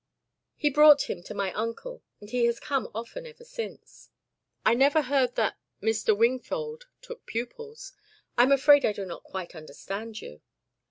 He brought him to my uncle, and he has come often ever since." "I never heard that Mr. Wingfold took pupils. I am afraid I do not quite understand you.